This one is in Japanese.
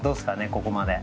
ここまで。